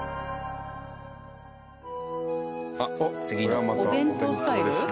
こりゃまたお弁当ですね。